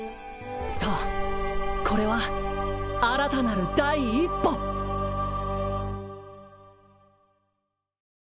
そうこれは新たなる第一歩！颯